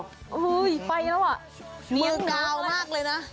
คุยไปแล้วอะเงียนเดากลางมากเลยนะ